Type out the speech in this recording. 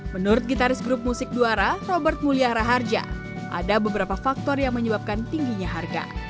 menurut gitaris grup musik duara robert mulia raharja ada beberapa faktor yang menyebabkan tingginya harga